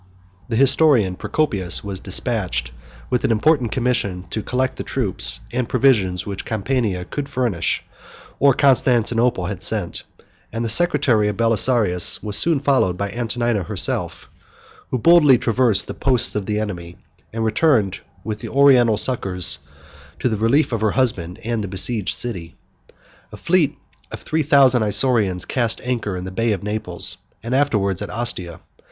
The historian Procopius was despatched with an important commission to collect the troops and provisions which Campania could furnish, or Constantinople had sent; and the secretary of Belisarius was soon followed by Antonina herself, 93 who boldly traversed the posts of the enemy, and returned with the Oriental succors to the relief of her husband and the besieged city. A fleet of three thousand Isaurians cast anchor in the Bay of Naples and afterwards at Ostia.